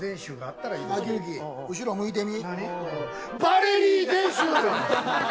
晃行、後ろ向いてみ。